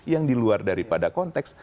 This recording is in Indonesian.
yang diluar daripada konteks